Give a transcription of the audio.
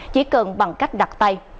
chỉ cần bằng cách đặt tay